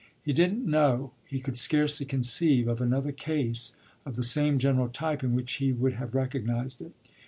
He didn't know, he could scarcely conceive, of another case of the same general type in which he would have recognised it.